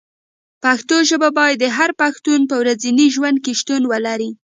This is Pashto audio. پښتو ژبه باید د هر پښتون په ورځني ژوند کې شتون ولري.